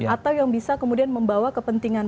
atau yang bisa kemudian membawa kepentingan